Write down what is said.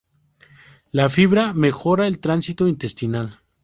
La fibra mejora el tránsito intestinal.